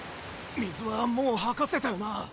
水はもう吐かせたよな。